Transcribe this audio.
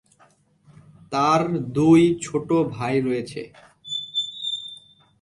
তার দুই ছোট ভাই রয়েছে।